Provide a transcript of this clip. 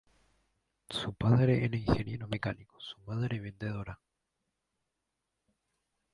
Su padre era ingeniero mecánico, su madre vendedora.